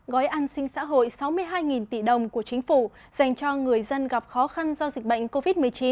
gói an sinh xã hội sáu mươi hai tỷ đồng của chính phủ dành cho người dân gặp khó khăn do dịch bệnh covid một mươi chín